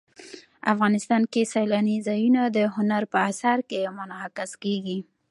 افغانستان کې سیلانی ځایونه د هنر په اثار کې منعکس کېږي.